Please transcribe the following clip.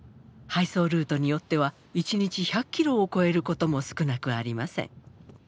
配送ルートによっては１日１００ｋｍを超えることも少なくありません。